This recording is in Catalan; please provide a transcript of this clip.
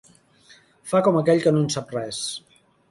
Fa com aquell que no en sap res.